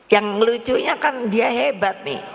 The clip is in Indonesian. yang lucunya kan dia hebat nih